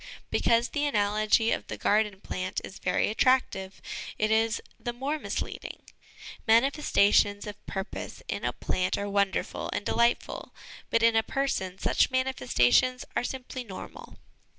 Because the analogy of the garden plant is very attractive, it is the more misleading ; manifestations of purpose in a plant are wonderful and delightful, but in a person such manifestations are simply normal.